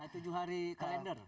tujuh hari kalender